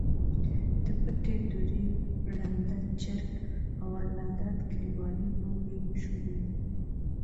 د پټې دُرې، ړانده چرک، او الله داد کلیوالې لوبې مشهورې وې.